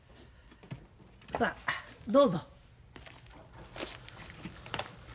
さあどうぞ。